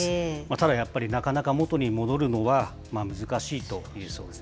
ただ、やっぱりなかなか元に戻るのは難しいといえそうです。